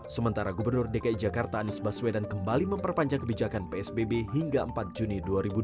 sementara gubernur dki jakarta anies baswedan kembali memperpanjang kebijakan psbb hingga empat juni dua ribu dua puluh